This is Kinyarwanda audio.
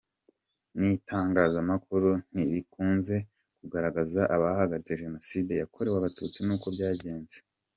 N’itangazamakuru ntirikunze kugaragaza abahagaritse jenoside yakorewe Abatutsi n’uko byagenze.